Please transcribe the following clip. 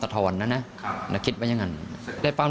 ช่วงนั้นเนี่ยก็ดั่งปั้งปั้ง